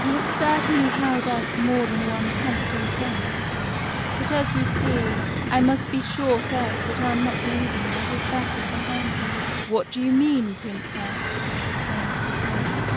You have certainly held out more than one tempting promise ; but, as you see, I must be sure first that I am not leaving what is better behind me.' 4 4 4 What do you mean, Princess ?' exclaimed the Prince.